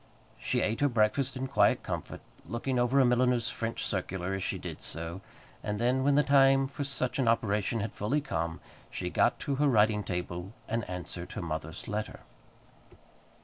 She ate her breakfast in quiet comfort, looking over a milliner's French circular as she did so; and then, when the time for such an operation had fully come, she got to her writing table and answered her mother's letter.